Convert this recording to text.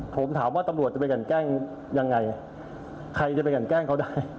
ผมถามว่าตำรวจจะไปกันแกล้งยังไงใครจะไปกันแกล้งเขาได้